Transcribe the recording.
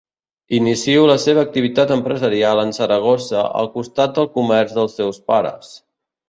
Inicio la seva activitat empresarial en Saragossa al costat del comerç dels seus pares.